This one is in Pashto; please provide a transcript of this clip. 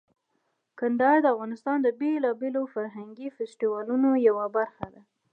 کندهار د افغانستان د بیلابیلو فرهنګي فستیوالونو یوه برخه ده.